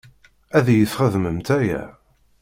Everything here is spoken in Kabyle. Ad iyi-txedmemt aya?